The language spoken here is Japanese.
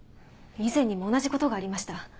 以前にも同じことがありました。